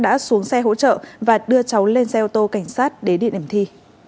đã xuống xe hỗ trợ và đưa cháu lên xe ô tô cảnh sát đến địa điểm thi